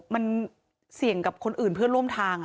มันเสี่ยงกับคนอื่นเพื่อนร่วมทาง